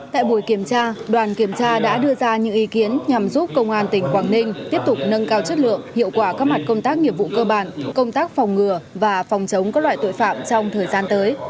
tại buổi kiểm tra đoàn kiểm tra đã đưa ra những ý kiến nhằm giúp công an tỉnh quảng ninh tiếp tục nâng cao chất lượng hiệu quả các mặt công tác nghiệp vụ cơ bản công tác phòng ngừa và phòng chống các loại tội phạm trong thời gian tới